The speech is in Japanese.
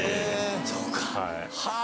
そうかはぁ。